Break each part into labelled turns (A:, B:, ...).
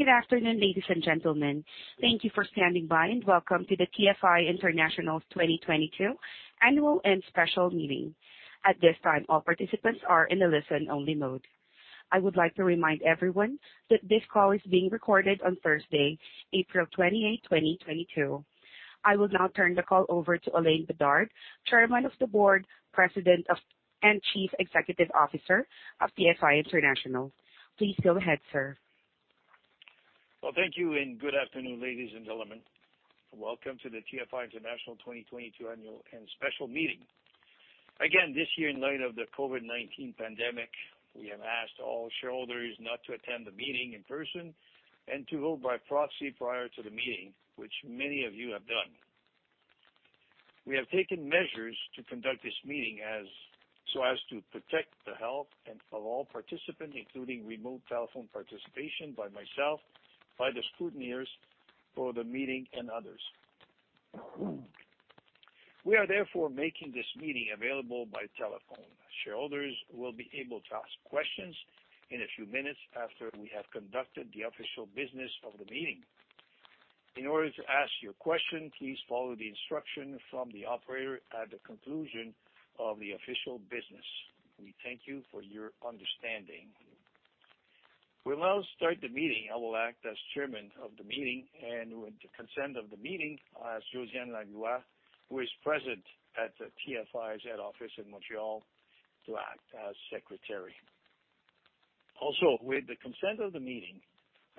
A: Good afternoon, ladies and gentlemen. Thank you for standing by and welcome to the TFI International 2022 Annual and Special Meeting. At this time, all participants are in a listen-only mode. I would like to remind everyone that this call is being recorded on Thursday, April 28, 2022. I will now turn the call over to Alain Bédard, Chairman of the board, President and Chief Executive Officer of TFI International. Please go ahead, sir.
B: Well, thank you, and good afternoon, ladies and gentlemen. Welcome to the TFI International 2022 Annual and Special Meeting. Again, this year, in light of the COVID-19 pandemic, we have asked all shareholders not to attend the meeting in person and to vote by proxy prior to the meeting, which many of you have done. We have taken measures to conduct this meeting so as to protect the health and safety of all participants, including remote telephone participation by myself, by the scrutineers for the meeting and others. We are therefore making this meeting available by telephone. Shareholders will be able to ask questions in a few minutes after we have conducted the official business of the meeting. In order to ask your question, please follow the instruction from the operator at the conclusion of the official business. We thank you for your understanding. We'll now start the meeting. I will act as chairman of the meeting and with the consent of the meeting, Josiane M. Langlois, who is present at the TFI's head office in Montreal to act as secretary. Also, with the consent of the meeting,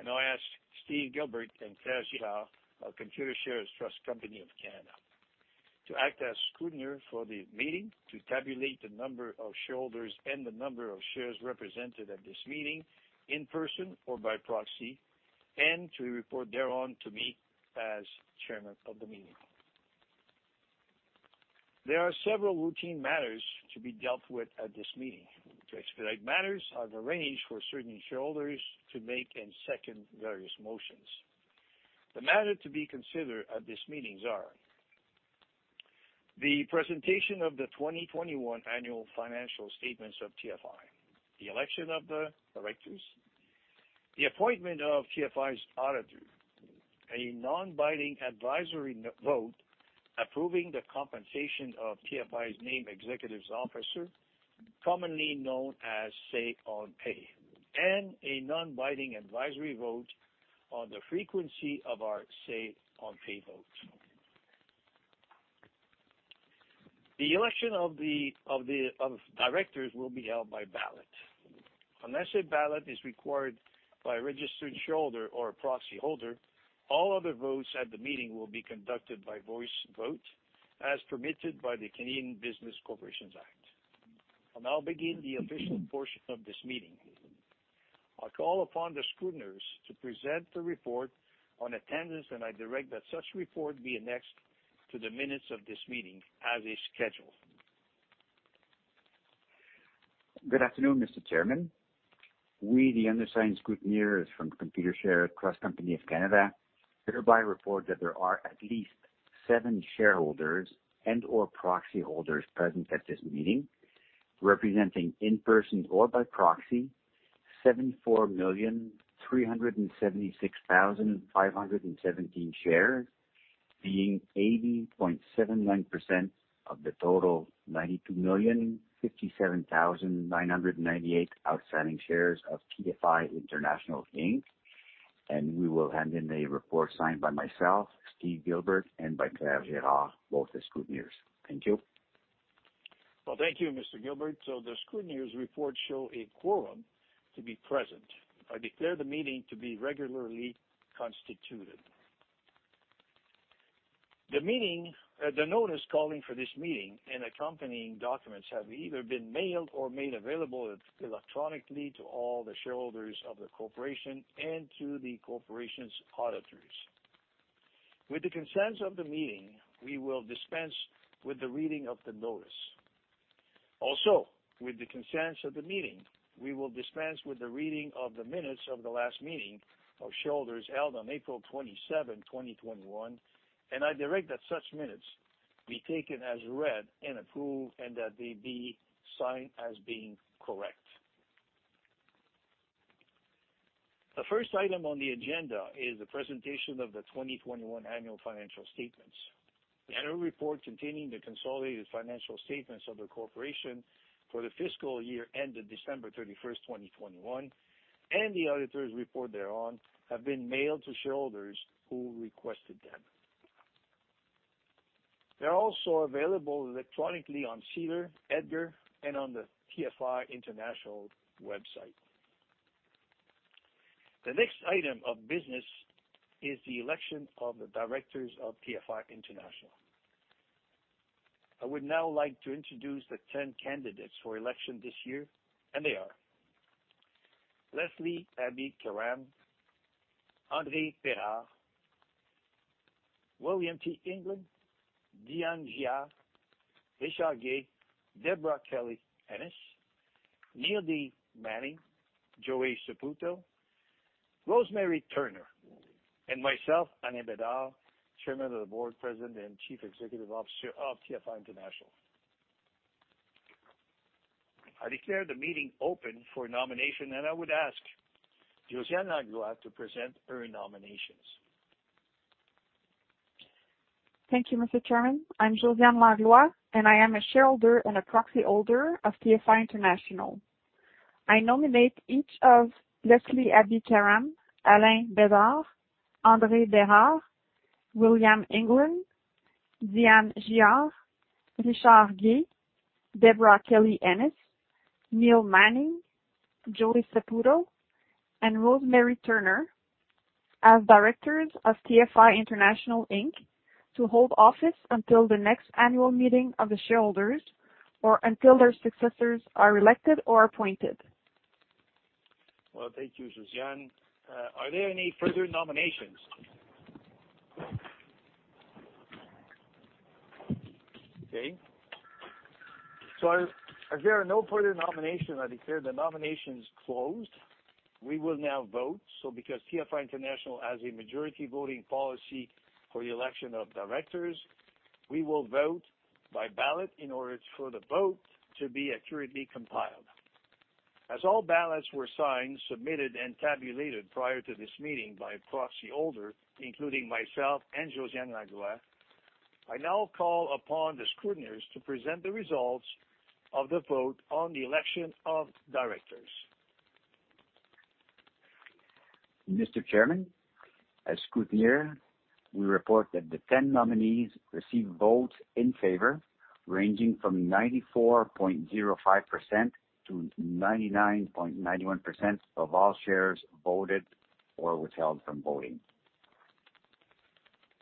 B: I now ask Steve Gilbert and Pierre Girard of Computershare Trust Company of Canada to act as scrutineer for the meeting, to tabulate the number of shareholders and the number of shares represented at this meeting in person or by proxy, and to report thereon to me as chairman of the meeting. There are several routine matters to be dealt with at this meeting. To expedite matters, I've arranged for certain shareholders to make and second various motions. The matter to be considered at these meetings are the presentation of the 2021 annual financial statements of TFI, the election of the directors, the appointment of TFI's auditor, a non-binding advisory vote approving the compensation of TFI's named executive officers, commonly known as Say on Pay, and a non-binding advisory vote on the frequency of our Say on Pay votes. The election of directors will be held by ballot. Unless a ballot is required by a registered shareholder or a proxyholder, all other votes at the meeting will be conducted by voice vote as permitted by the Canada Business Corporations Act. I'll now begin the official portion of this meeting. I call upon the scrutineers to present the report on attendance, and I direct that such report be annexed to the minutes of this meeting as scheduled.
C: Good afternoon, Mr. Chairman. We, the undersigned scrutineers from Computershare Trust Company of Canada, hereby report that there are at least seven shareholders and/or proxyholders present at this meeting, representing in person or by proxy 74,376,517 shares, being 80.79% of the total 92,057,998 outstanding shares of TFI International Inc. We will hand in a report signed by myself, Steve Gilbert, and by Pierre Girard, both the scrutineers. Thank you.
B: Well, thank you, Mr. Gilbert. The scrutineers' report show a quorum to be present. I declare the meeting to be regularly constituted. The meeting, the notice calling for this meeting and accompanying documents have either been mailed or made available electronically to all the shareholders of the corporation and to the corporation's auditors. With the consent of the meeting, we will dispense with the reading of the notice. Also, with the consent of the meeting, we will dispense with the reading of the minutes of the last meeting of shareholders held on April 27, 2021, and I direct that such minutes be taken as read and approved and that they be signed as being correct. The first item on the agenda is the presentation of the 2021 annual financial statements. The annual report containing the consolidated financial statements of the corporation for the fiscal year ended December 31st, 2021, and the auditor's report thereon have been mailed to shareholders who requested them. They're also available electronically on SEDAR, EDGAR, and on the TFI International website. The next item of business is the election of the directors of TFI International. I would now like to introduce the 10 candidates for election this year, and they are Leslie Abi-Karam, André Bérard, William T. England, Diane Giard, Richard Guay, Debra Kelly-Ennis, Neil D. Manning, Joey Saputo, Rosemary Turner, and myself, Alain Bédard, Chairman of the board, President, and Chief Executive Officer of TFI International. I declare the meeting open for nomination, and I would ask Josiane Langlois to present her nominations.
D: Thank you, Mr. Chairman. I'm Josiane Langlois, and I am a shareholder and a proxy holder of TFI International. I nominate each of Leslie Abi-Karam, Alain Bédard, André Bérard, William England, Diane Giard, Richard Guay, Debra Kelly-Ennis, Neil Manning, Joey Saputo, and Rosemary Turner as directors of TFI International Inc. to hold office until the next annual meeting of the shareholders or until their successors are elected or appointed.
B: Well, thank you, Josiane. Are there any further nominations? Okay. As there are no further nominations, I declare the nominations closed. We will now vote. Because TFI International has a majority voting policy for the election of directors, we will vote by ballot in order for the vote to be accurately compiled. As all ballots were signed, submitted, and tabulated prior to this meeting by proxy holder, including myself and Josiane Langlois, I now call upon the scrutineers to present the results of the vote on the election of directors.
C: Mr. Chairman, as scrutineer, we report that the 10 nominees received votes in favor ranging from 94.05%-99.91% of all shares voted or withheld from voting.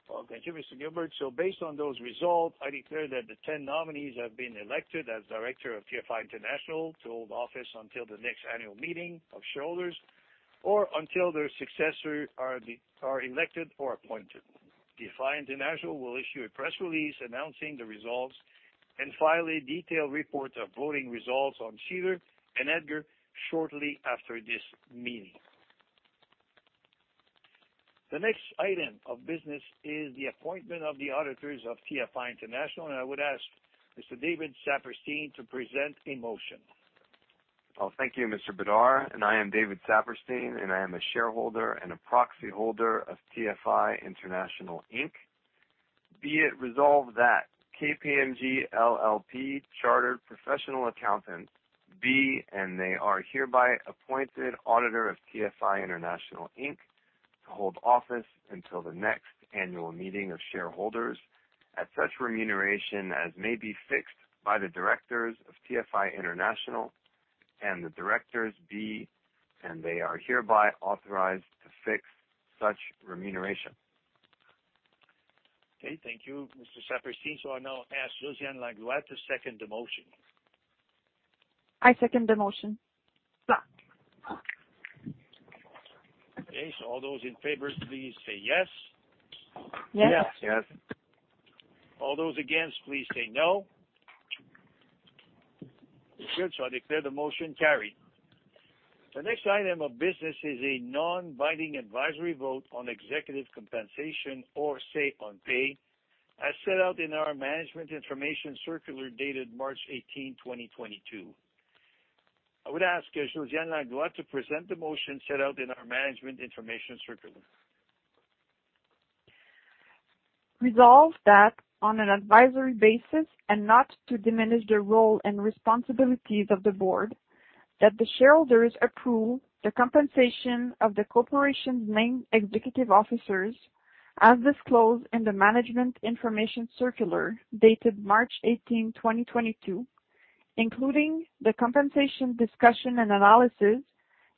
B: Well, thank you, Mr. Gilbert. Based on those results, I declare that the 10 nominees have been elected as director of TFI International to hold office until the next annual meeting of shareholders or until their successors are elected or appointed. TFI International will issue a press release announcing the results and file a detailed report of voting results on SEDAR and EDGAR shortly after this meeting. The next item of business is the appointment of the auditors of TFI International, and I would ask Mr. David Saperstein to present a motion.
E: Oh, thank you, Mr. Bédard. I am David Saperstein, and I am a shareholder and a proxy holder of TFI International Inc. Be it resolved that KPMG LLP chartered professional accountants be, and they are hereby appointed auditor of TFI International Inc. To hold office until the next annual meeting of shareholders at such remuneration as may be fixed by the directors of TFI International and the directors be, and they are hereby authorized to fix such remuneration.
B: Okay. Thank you, Mr. Saperstein. I now ask Josiane Langlois to second the motion.
D: I second the motion.
B: Okay, all those in favor, please say yes.
D: Yes.
E: Yes.
C: Yes.
B: All those against, please say no. Good. I declare the motion carried. The next item of business is a non-binding advisory vote on executive compensation or say on pay, as set out in our management information circular dated March 18, 2022. I would ask Josiane Langlois to present the motion set out in our management information circular.
D: Resolved that on an advisory basis and not to diminish the role and responsibilities of the board, that the shareholders approve the compensation of the corporation's main executive officers as disclosed in the management information circular dated March 18, 2022, including the compensation discussion and analysis,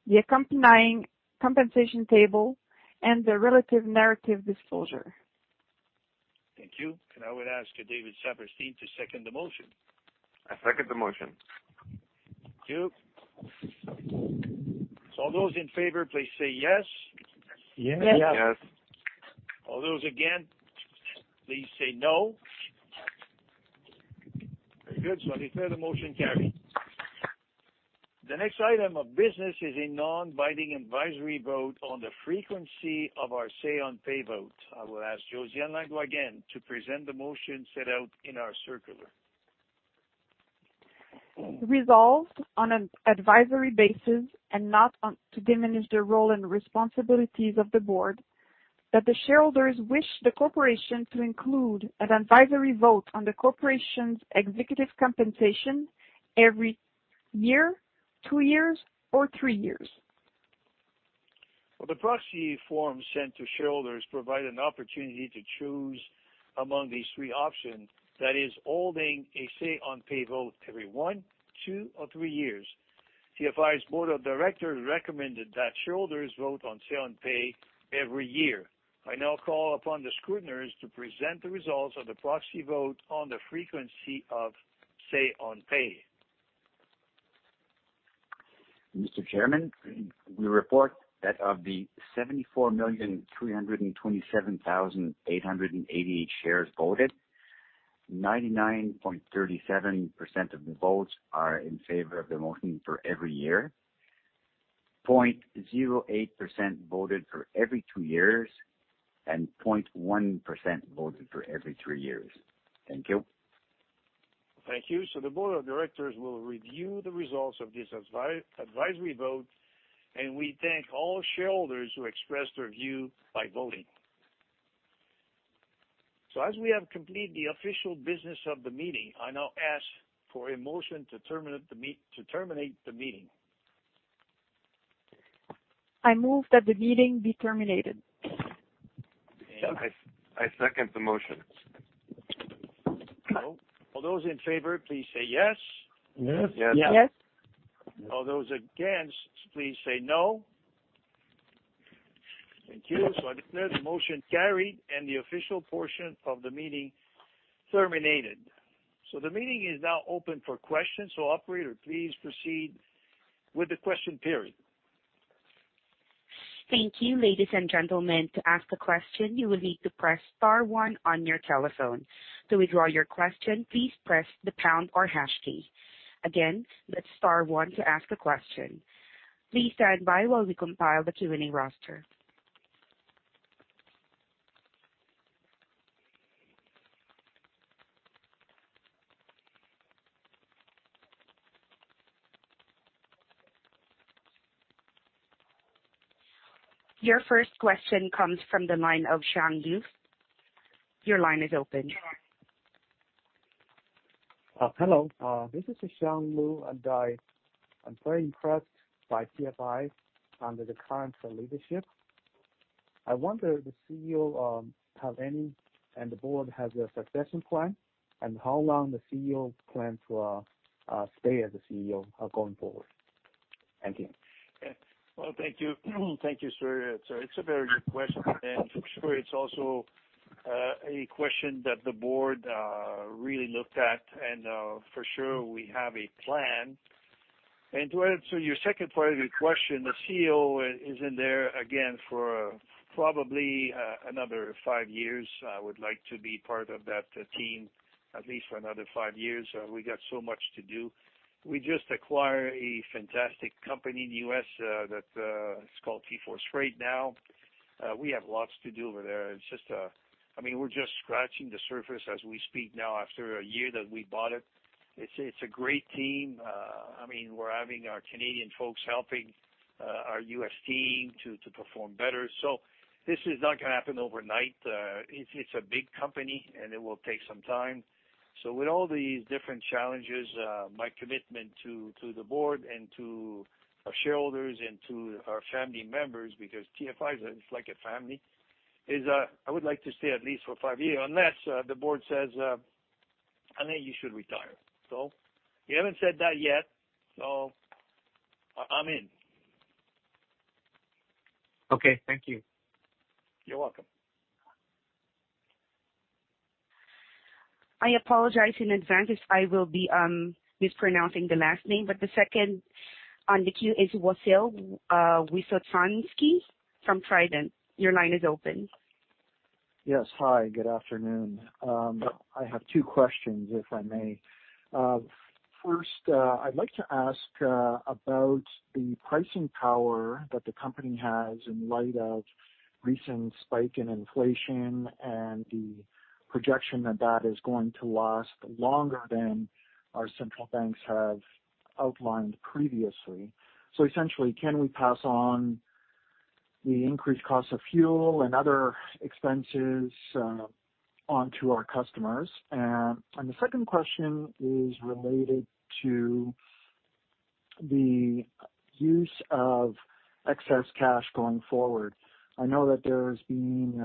D: the accompanying compensation table, and the relative narrative disclosure.
B: Thank you. I would ask David Saperstein to second the motion.
E: I second the motion.
B: Thank you. All those in favor, please say yes.
D: Yes.
E: Yes.
C: Yes.
B: All those against, please say no. Very good. I declare the motion carried. The next item of business is a non-binding advisory vote on the frequency of our say on pay vote. I will ask Josiane Langlois again to present the motion set out in our circular.
D: Resolved on an advisory basis and not to diminish the role and responsibilities of the board that the shareholders wish the corporation to include an advisory vote on the corporation's executive compensation every year, two years, or three years.
B: Well, the proxy form sent to shareholders provide an opportunity to choose among these three options. That is, holding a say on pay vote every one, two, or three years. TFI's board of directors recommended that shareholders vote on say on pay every year. I now call upon the scrutineers to present the results of the proxy vote on the frequency of say on pay.
C: Mr. Chairman, we report that of the 74,327,888 shares voted, 99.37% of the votes are in favor of the motion for every year.
F: 0.08% voted for every two years, and 0.1% voted for every three years. Thank you.
B: Thank you. The board of directors will review the results of this advisory vote, and we thank all shareholders who expressed their view by voting. As we have completed the official business of the meeting, I now ask for a motion to terminate the meeting.
D: I move that the meeting be terminated.
B: Okay.
C: I second the motion.
B: All those in favor, please say yes.
F: Yes. Yes. Yes.
B: All those against, please say no. Thank you. I declare the motion carried and the official portion of the meeting terminated. The meeting is now open for questions. Operator, please proceed with the question period.
A: Thank you, ladies and gentlemen. To ask a question, you will need to press star one on your telephone. To withdraw your question, please press the pound or hashtag. Again, that's star one to ask a question. Please stand by while we compile the Q&A roster. Your first question comes from the line of Xiang Yu. Your line is open.
G: Hello. This is Xiang Yu, and I am very impressed by TFI under the current leadership. I wonder, the CEO have any and the board has a succession plan and how long the CEO plans to stay as the CEO going forward. Thank you.
B: Well, thank you. Thank you, sir. It's a very good question, and for sure, it's also a question that the board really looked at, and for sure we have a plan. To answer your second part of your question, the CEO is in there again for probably another five years. I would like to be part of that team at least for another five years. We got so much to do. We just acquired a fantastic company in the U.S. that is called TForce Freight now. We have lots to do over there. It's just, I mean, we're just scratching the surface as we speak now after a year that we bought it. It's a great team. I mean, we're having our Canadian folks helping our US team to perform better. This is not gonna happen overnight. It's a big company, and it will take some time. With all these different challenges, my commitment to the board and to our shareholders and to our family members, because TFI is like a family, is I would like to stay at least for five years, unless the board says, "Alain, you should retire." They haven't said that yet, so I'm in.
G: Okay, thank you.
B: You're welcome.
A: I apologize in advance if I will be mispronouncing the last name, but the second on the queue is Wasil Wisotzky from Trident. Your line is open.
H: Yes. Hi, good afternoon. I have two questions, if I may. First, I'd like to ask about the pricing power that the company has in light of recent spike in inflation and the projection that that is going to last longer than our central banks have outlined previously. Essentially, can we pass on the increased cost of fuel and other expenses on to our customers? The second question is related to the use of excess cash going forward. I know that there's been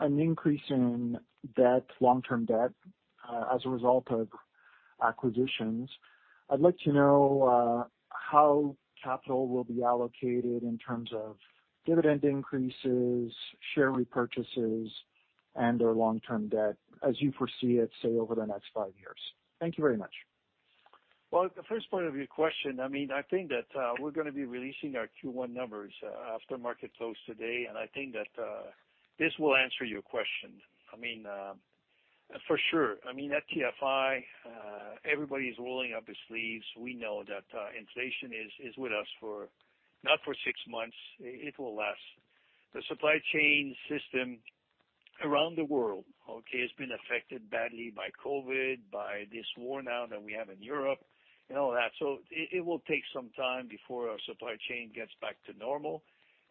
H: an increase in debt, long-term debt, as a result of acquisitions. I'd like to know how capital will be allocated in terms of dividend increases, share repurchases, and/or long-term debt as you foresee it, say, over the next five years. Thank you very much.
B: Well, the first part of your question, I mean, I think that we're gonna be releasing our Q1 numbers after market close today, and I think that this will answer your question. I mean, for sure. I mean, at TFI, everybody's rolling up his sleeves. We know that inflation is with us not for six months, it will last. The supply chain system around the world has been affected badly by COVID, by this war now that we have in Europe and all that. It will take some time before our supply chain gets back to normal.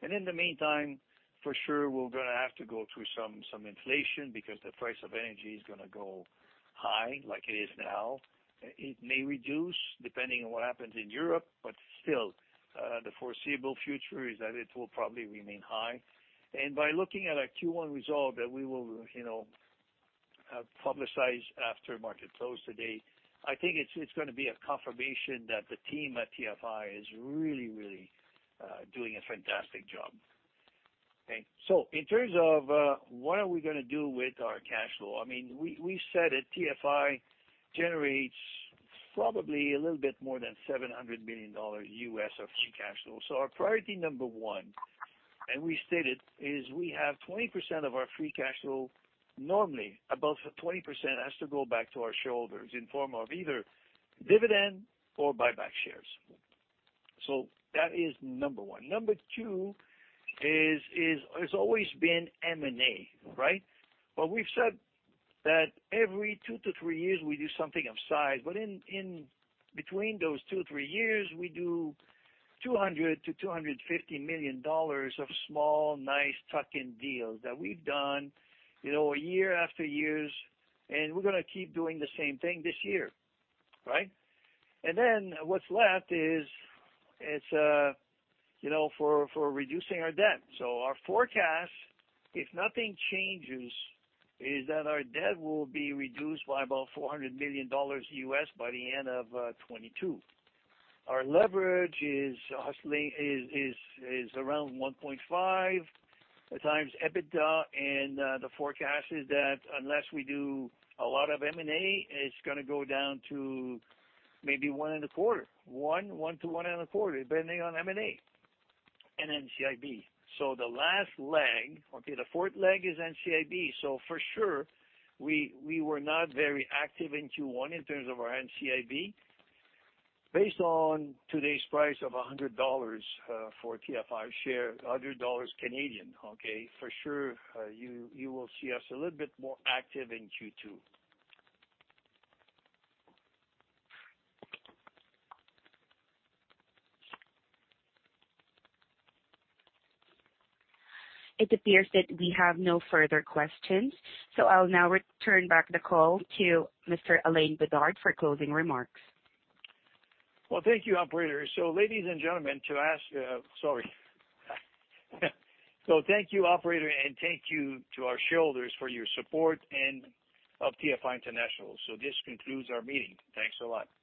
B: In the meantime, for sure, we're gonna have to go through some inflation because the price of energy is gonna go high like it is now. It may reduce depending on what happens in Europe, but still, the foreseeable future is that it will probably remain high. By looking at our Q1 results that we will publicize after market close today, I think it's gonna be a confirmation that the team at TFI is really doing a fantastic job. Okay. In terms of what are we gonna do with our cash flow? I mean, we said that TFI generates probably a little bit more than $700 million of free cash flow. Our priority number one and we stated is we have 20% of our free cash flow. Normally, about 20% has to go back to our shareholders in form of either dividend or buy back shares. That is number one. Number two is it's always been M&A, right? We've said that every 2-3 years we do something upside. In between those 2-3 years, we do $200 million-$250 million of small, nice tuck-in deals that we've done, you know, year after year, and we're gonna keep doing the same thing this year, right? Then what's left is for reducing our debt. Our forecast, if nothing changes, is that our debt will be reduced by about $400 million by the end of 2022. Our net leverage is around 1.5x EBITDA. The forecast is that unless we do a lot of M&A, it's gonna go down to maybe 1.25. 1-1.25, depending on M&A and NCIB. The last leg, okay, the fourth leg is NCIB. For sure, we were not very active in Q1 in terms of our NCIB. Based on today's price of 100 dollars for TFI share, 100 Canadian dollars, okay, for sure, you will see us a little bit more active in Q2.
A: It appears that we have no further questions, so I'll now return back the call to Mr. Alain Bédard for closing remarks.
B: Well, thank you, operator. Ladies and gentlemen, thank you, operator, and thank you to our shareholders for your support of TFI International. This concludes our meeting. Thanks a lot.